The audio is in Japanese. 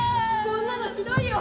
「こんなのひどいよ。